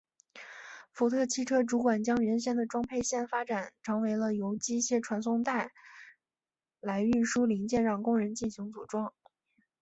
福特汽车主管将原先的装配线发展成为了由机械传送带来运输零件让工人进行组装。